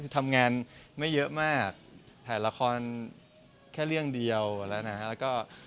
ทำงานไม่เยอะมากถ่ายละครแค่เรื่องเดียวแล้วนะฮะ